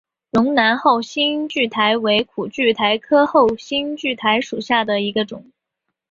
龙南后蕊苣苔为苦苣苔科后蕊苣苔属下的一个种。